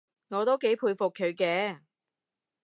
我都幾佩服佢嘅